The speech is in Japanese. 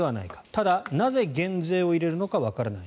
ただなぜ減税を入れるのかわからない。